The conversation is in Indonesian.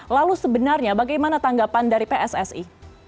lalu sebenarnya bagaimana tanggapan dari pssi